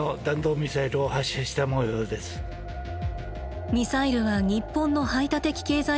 ミサイルは日本の排他的経済水域に落下。